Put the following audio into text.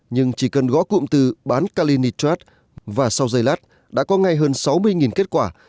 nhưng chỉ cần gõ cụm từ bán calinitrat và sau dây lát đã có ngay hơn sáu mươi kết quả